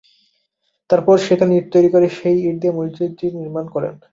তারপর সেখানে ইট তৈরি করে সেই ইট দিয়ে মসজিদটি নির্মাণ করেন।